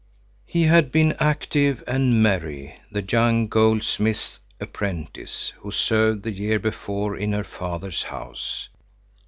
He had been active and merry, the young goldsmith's apprentice who served the year before in her father's house.